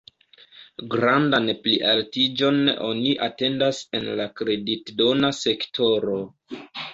Grandan plialtiĝon oni atendas en la kreditdona sektoro.